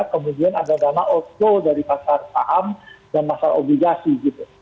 kemudian ada dana outflow dari pasar saham dan pasar obligasi gitu